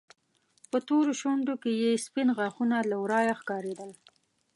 په تورو شونډو کې يې سپين غاښونه له ورايه ښکارېدل.